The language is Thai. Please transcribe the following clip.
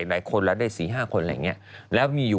อ๋อไม่ใช่ใช่ไหมนั่นบัวคลี่